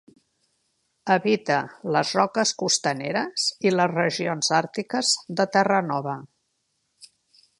Habita les roques costaneres i les regions àrtiques de Terranova.